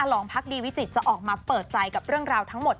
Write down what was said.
ลองพักดีวิจิตจะออกมาเปิดใจกับเรื่องราวทั้งหมด